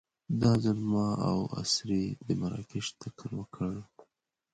دا ځل ما او اسرې د مراکش تکل وکړ.